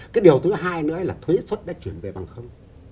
cái điều thứ hai nữa là thuế xuất đã chuyển về bằng không